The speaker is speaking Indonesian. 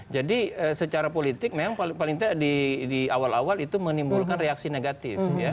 secara politik memang paling tidak di awal awal itu menimbulkan reaksi negatif